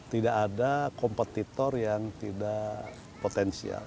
tidak ada kompetitor yang tidak potensial